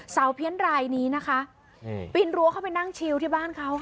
เพี้ยนรายนี้นะคะปีนรั้วเข้าไปนั่งชิวที่บ้านเขาค่ะ